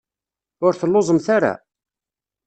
Ur telluẓemt ara?